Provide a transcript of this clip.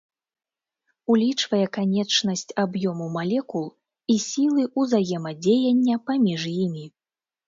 Улічвае канечнасць аб'ёму малекул і сілы ўзаемадзеяння паміж імі.